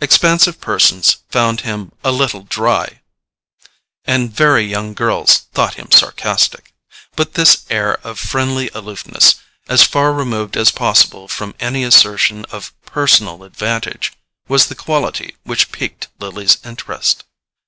Expansive persons found him a little dry, and very young girls thought him sarcastic; but this air of friendly aloofness, as far removed as possible from any assertion of personal advantage, was the quality which piqued Lily's interest.